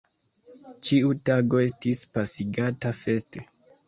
Ĉiu tago estis pasigata feste.